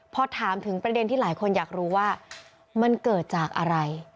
พอถามถึงประเด็นที่หลายคนอยากรู้ว่ามันเกิดจากอะไร